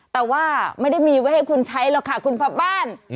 แต่ว่าไม่ได้มีไว้ให้คุณใช้หรอกค่ะคุณพ่อบ้าน